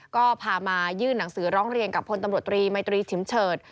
ก็พามายื่นหนังสือร้องเรียนกับพลตำรวจตรีมัยตรีฉิมเฉิด